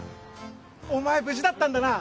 お前無事だったんだな！